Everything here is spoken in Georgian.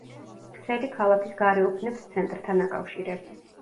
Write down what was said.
ქსელი ქალაქის გარეუბნებს ცენტრთან აკავშირებს.